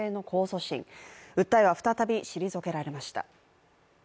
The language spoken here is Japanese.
訴えは再び退けられました。